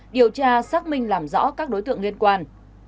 điều tra xác minh làm rõ các đối tượng liên quan